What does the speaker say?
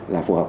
là phù hợp